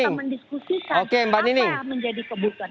kita mendiskusikan apa yang menjadi kebutuhan